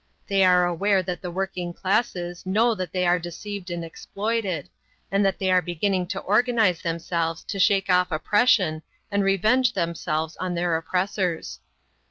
They are aware that the working classes know that they are deceived and exploited, and that they are beginning to organize themselves to shake off oppression and revenge themselves on their oppressors.